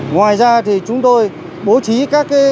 ngoài ra thì chúng tôi bố trí các tổ chức